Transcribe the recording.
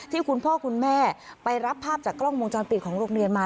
คุณพ่อคุณแม่ไปรับภาพจากกล้องวงจรปิดของโรงเรียนมา